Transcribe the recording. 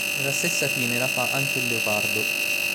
E la stessa fine la fa anche il leopardo.